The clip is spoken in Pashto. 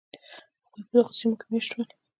هغوی په دغو سیمو کې مېشت شول.